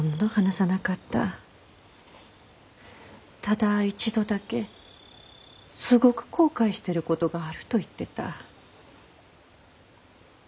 ただ一度だけすごく後悔してることがあると言ってた。